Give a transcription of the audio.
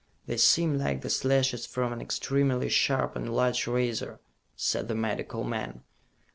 "They seem like the slashes from an extremely sharp and large razor," said the medical man.